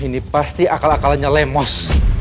ini pasti akal akalannya lemos